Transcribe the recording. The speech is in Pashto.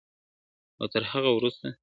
او تر هغه وروسته